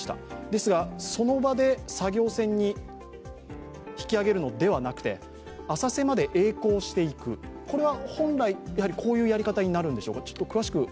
ですが、その場で作業船に引き揚げるのではなくて浅瀬までえい航していく、これは本来、こういうやり方になるんでしょうか？